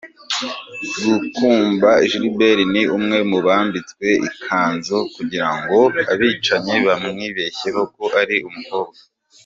Gakumba Gilbert ni umwe mu bambitswe ikanzu kugira ngo abicanyi bamwibeshyeho ko ari umukobwa.